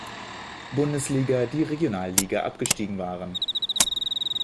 Bundesliga die Regionalliga abgestiegen waren.